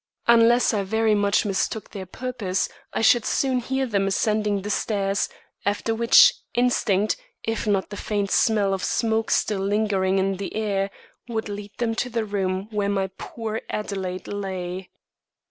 Unless I very much mistook their purpose, I should soon hear them ascending the stairs, after which, instinct, if not the faint smell of smoke still lingering in the air, would lead them to the room where my poor Adelaide lay.